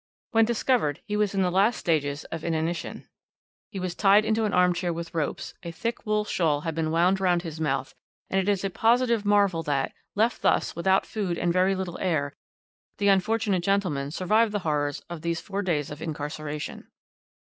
When discovered he was in the last stages of inanition; he was tied into an arm chair with ropes, a thick wool shawl had been wound round his mouth, and it is a positive marvel that, left thus without food and very little air, the unfortunate gentleman survived the horrors of these four days of incarceration.